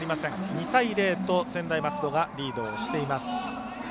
２対０と専大松戸がリードをしています。